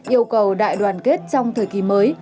yêu cầu đại đoàn kết trong thời kỳ mới